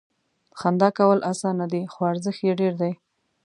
• خندا کول اسانه دي، خو ارزښت یې ډېر دی.